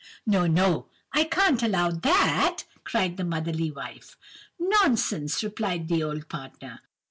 "'No, no, I can't allow that,' cried the motherly wife. "'Nonsense!' replied the old partner.